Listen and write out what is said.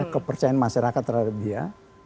kepercayaan masyarakat terhadap dia